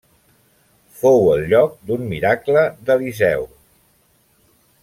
Fou el lloc d'un miracle d'Eliseu.